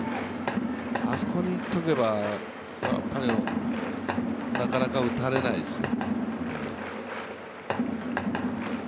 あそこにいっておけばなかなか打たれないですよ。